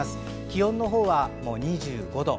気温のほうは２５度。